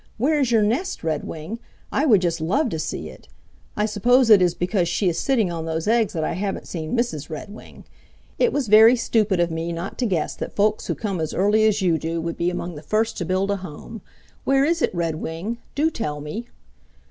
"Where is your nest, Redwing? I would just love to see it. I suppose it is because she is sitting on those eggs that I haven't seen Mrs. Redwing. It was very stupid of me not to guess that folks who come as early as you do would be among the first to build a home. Where is it, Redwing? Do tell me."